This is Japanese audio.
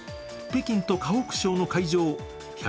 北京と河北省の会場